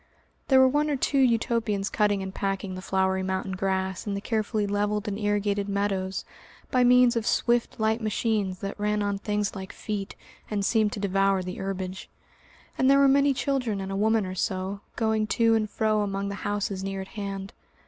There were one or two Utopians cutting and packing the flowery mountain grass in the carefully levelled and irrigated meadows by means of swift, light machines that ran on things like feet and seemed to devour the herbage, and there were many children and a woman or so, going to and fro among the houses near at hand.